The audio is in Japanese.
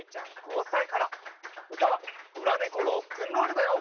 うたは「ドラネコロックンロール」だよ。